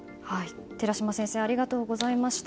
寺嶋先生ありがとうございました。